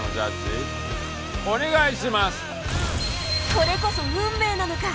これこそ運命なのか？